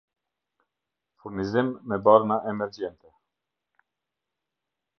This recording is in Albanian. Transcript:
Furnizim me barna Emergjente